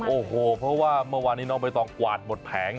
โอ้โหเพราะว่าเมื่อวานนี้น้องใบตองกวาดหมดแผง